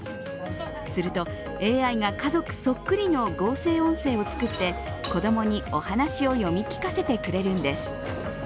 すると、ＡＩが家族そっくりの合成音声を作って子供にお話を読み聞かせてくれるんです。